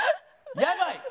やばい！